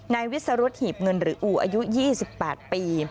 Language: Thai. นายวิสรุธหีบเงินหรืออู่อายุ๒๘ปี